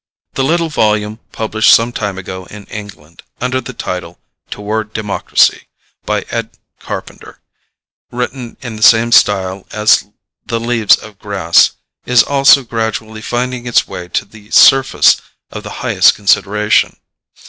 The little volume published some time ago in England, under the title "Toward Democracy," by Ed. Carpenter, written in the same style as "The Leaves of Grass," is also gradually finding its way to the surface of the highest consideration.